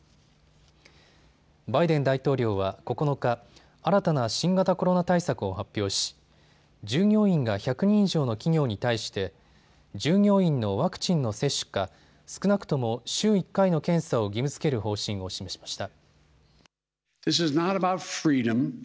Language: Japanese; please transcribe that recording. バイデン大統領は９日、新たな新型コロナ対策を発表し、従業員が１００人以上の企業に対して従業員のワクチンの接種か少なくとも週１回の検査を義務づける方針を示しました。